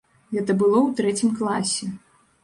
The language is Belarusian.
Гэта было ў трэцім класе.